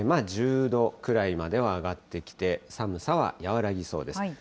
１０度くらいまでは上がってきて、寒さは和らぎそうです。